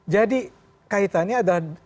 jadi kaitannya adalah